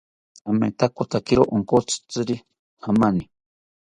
Amitakotakiro onkotzitzi jamani